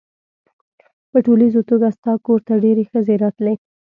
په ټولیزه توګه ستا کور ته ډېرې ښځې راتلې.